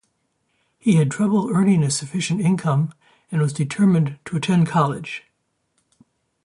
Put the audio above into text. He had trouble earning a sufficient income and was determined to attend college.